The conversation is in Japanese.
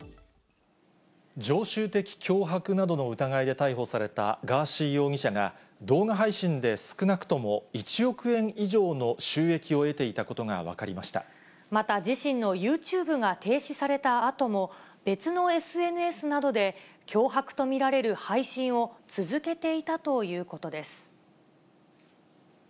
常習的脅迫などの疑いで逮捕されたガーシー容疑者が、動画配信で少なくとも１億円以上の収益を得ていたことが分かりままた、自身のユーチューブが停止されたあとも、別のＳＮＳなどで、脅迫と見られる配信を続けていたということです。